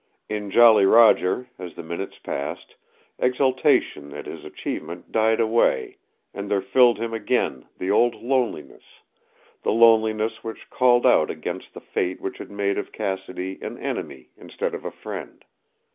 In Jolly Roger, as the minutes passed, exultation at his achievement died away, and there filled him again the old loneliness the loneliness which called out against the fate which had made of Cassidy an enemy instead of a friend.